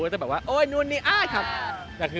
แต่แบบโอ้ยนู้นนี่อะครับ